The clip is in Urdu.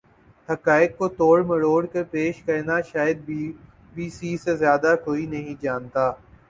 حقائق کو توڑ مروڑ کر پیش کرنا شاید بی بی سی سے زیادہ کوئی نہیں جانتا